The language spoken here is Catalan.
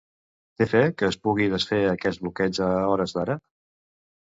Té fe que es pugui desfer aquest bloqueig a hores d'ara?